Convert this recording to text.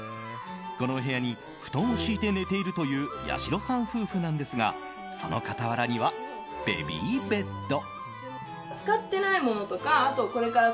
このお部屋に布団を敷いて寝ているというやしろさん夫婦なんですがその傍らにはベビーベッド。